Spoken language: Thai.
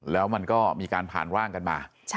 แล้วมันก็มีการผ่านร่างกันมา